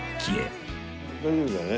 大丈夫だよね？